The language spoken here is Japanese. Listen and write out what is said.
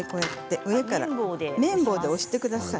上から麺棒で押してください。